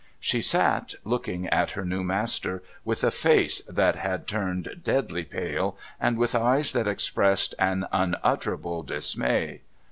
She sat, looking at her new master, with a face that had turned deadly pale, and with eyes that expressed an unutterable dismay.